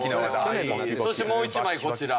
そしてもう１枚こちら。